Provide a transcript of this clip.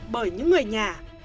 bởi những người nhà